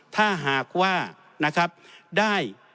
ถ้าหากว่าได้